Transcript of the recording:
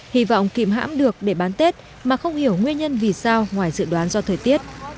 hy vọng kìm hãm được để bán tết mà không hiểu nguyên nhân vì sao ngoài dự đoán do thời tiết